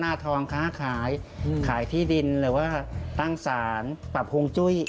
หน้าทองค้าขายขายที่ดินหรือว่าตั้งศาลปรับฮวงจุ้ย